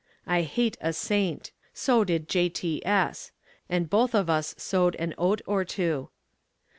I hate a saint. So did J.T.S. And both of us sowed an oat or two.